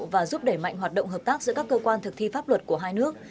và giúp đẩy mạnh hoạt động hợp tác giữa các cơ quan thực thi pháp luật của hai nước